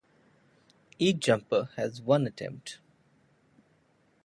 Each jumper has one attempt.